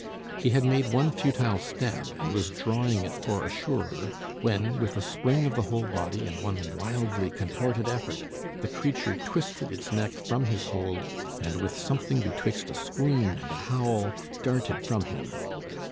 He had made one futile stab, and was drawing it for a surer, when, with a spring of the whole body, and one wildly contorted effort, the creature twisted its neck from his hold, and with something betwixt a scream and a howl, darted from him.